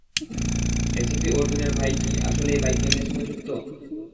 ACP অর্জুনের ভাই কি, আসলেই বাইক গ্যাংয়ের সঙ্গে যুক্ত?